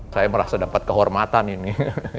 saya merasa dapat kehormatan ini